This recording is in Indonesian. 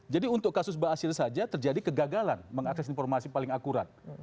jadi untuk kasus baasir saja terjadi kegagalan mengakses informasi paling akurat